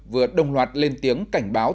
vừa đồng loạt lên tiếng cảnh báo